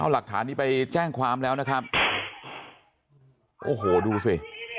เอาหลักฐานนี้ไปแจ้งความแล้วนะครับโอ้โหดูสิ